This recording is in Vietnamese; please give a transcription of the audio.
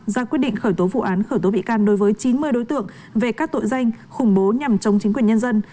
ra quyết định khởi tố vụ án khởi tố bị can đối với chín mươi đối tượng về các tội danh khủng bố nhằm chống chính quyền nhân dân